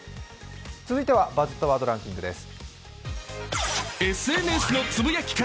続いては「バズったワードランキング」です。